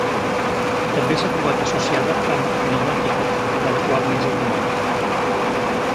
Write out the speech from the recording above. També s'ha trobat associada amb greenockita, de la qual n'és el dimorf.